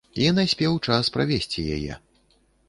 І наспеў час правесці яе.